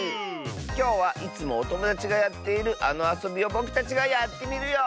きょうはいつもおともだちがやっているあのあそびをぼくたちがやってみるよ！